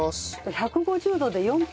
１５０度で４分。